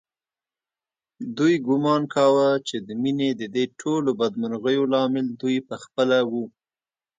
دوی ګومان کاوه چې د مينې ددې ټولو بدمرغیو لامل دوی په خپله و